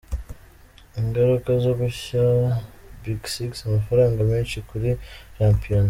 Ingaruka zo guha “Big Six” amafaranga menshi kuri shampiyona.